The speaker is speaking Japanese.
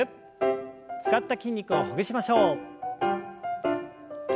使った筋肉をほぐしましょう。